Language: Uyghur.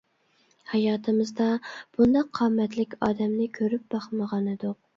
ھاياتىمىزدا بۇنداق قامەتلىك ئادەمنى كۆرۈپ باقمىغانىدۇق.